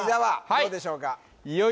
どうでしょうかはい